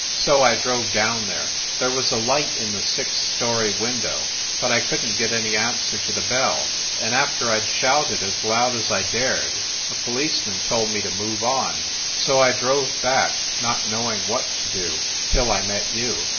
So I drove down there. There was a light in the sixth story window, but I couldn t get any answer to the bell ; and after I d shouted as loud as I dared, a policeman told me to move on. So I drove back, not knowing what to do, till I met you."